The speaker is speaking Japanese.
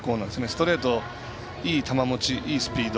ストレート、いい球もちいいスピード。